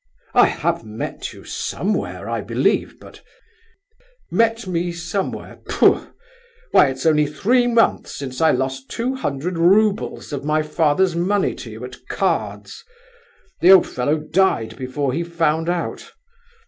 "I have met you somewhere, I believe, but—" "Met me somewhere, pfu! Why, it's only three months since I lost two hundred roubles of my father's money to you, at cards. The old fellow died before he found out.